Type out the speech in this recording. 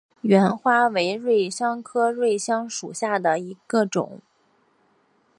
芫花为瑞香科瑞香属下的一个种。